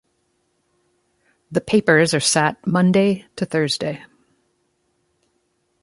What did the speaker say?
The papers are sat Monday to Thursday.